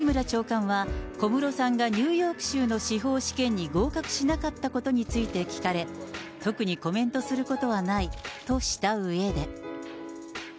きのう、宮内庁の定例会見で、西村長官は、小室さんがニューヨーク州の司法試験に合格しなかったことについて聞かれ、特にコメントすることはないとしたうえで。